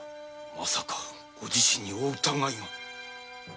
まさかご自身にお疑いが？